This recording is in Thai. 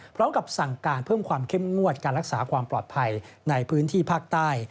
พร้อมกับสั่งการเพิ่มความเข้มงวดการรักษาความปลอดภัยในพื้นที่ภาคใต้